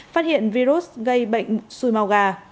phát hiện virus gây bệnh xui màu gà